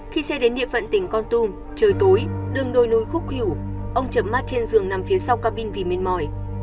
khi xe đến địa phận tỉnh con tum trời tối đường đôi núi khúc hữu ông chậm mắt trên giường nằm phía sau cabin vì mệt mỏi